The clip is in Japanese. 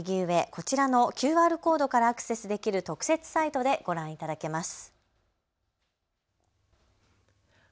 こちらのＱＲコードからアクセスできる特設サイトでご覧いただけます。